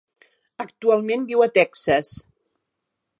Actualment viu a Texas.